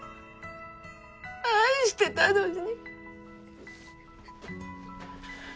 愛してたのに。